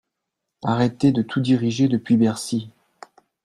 Arrêtez de tout diriger depuis Bercy.